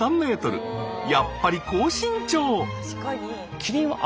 やっぱり高身長！